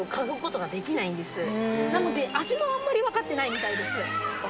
なので味もあんまり分かってないみたいです。